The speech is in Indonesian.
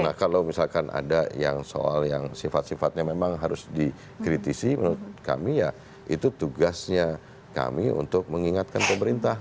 nah kalau misalkan ada yang soal yang sifat sifatnya memang harus dikritisi menurut kami ya itu tugasnya kami untuk mengingatkan pemerintah